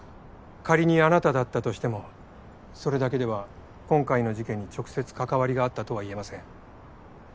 仮にあなただったとしてもそれだけでは今回の事件に直接関わりがあったとは言えません。